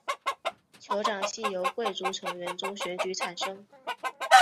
酋长系由贵族成员中选举产生。